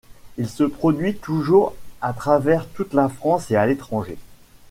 Il se produit toujours à travers toute la France et à l'étranger.